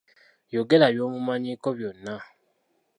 Yogera by'omumanyiiko byonna.